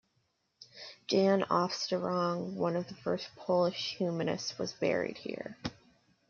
Jan Ostrorog, one of the first Polish humanists was buried here.